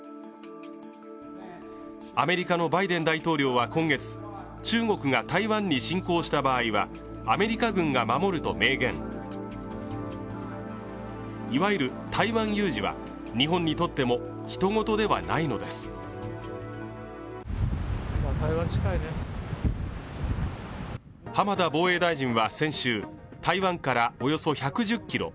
アメリカのバイデン大統領は今月中国が台湾に侵攻した場合はアメリカ軍が守ると明言いわゆる台湾有事は日本にとってもひと事ではないのです浜田防衛大臣は先週台湾からおよそ１１０キロ